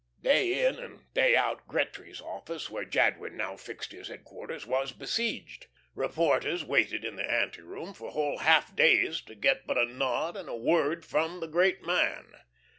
Day in and day out Gretry's office, where Jadwin now fixed his headquarters, was besieged. Reporters waited in the anteroom for whole half days to get but a nod and a word from the great man.